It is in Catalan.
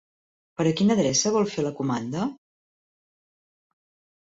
Per a quina adreça vol fer la comanda?